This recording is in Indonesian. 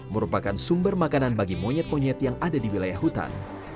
merupakan sumber makanan bagi monyet monyet yang ada di wilayah hutan